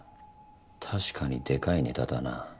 確かにでかいネタだな。